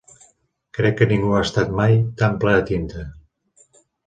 Crec que ningú ha estat mai tan ple de tinta.